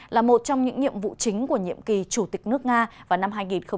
là một trong những nhiệm vụ chính của nhiệm kỳ chủ tịch nước nga vào năm hai nghìn hai mươi